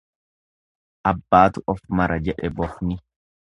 Abbatu uf mara jedhe bofni.